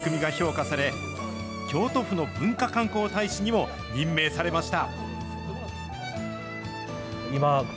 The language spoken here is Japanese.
こうした取り組みが評価され、京都府の文化観光大使にも任命されました。